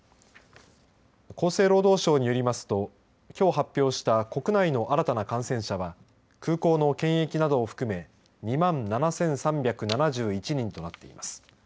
厚生労働省によりますときょう発表した国内の新たな感染者は空港の検疫などを含め２万７３７１人となっています。